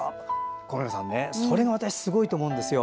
小村さん、それがまたすごいと思うんですよ。